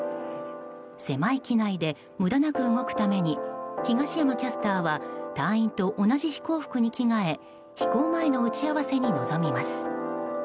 狭い機内で無駄なく動くために東山キャスターは隊員と同じ飛行服に着替え飛行前の打ち合わせに臨みます。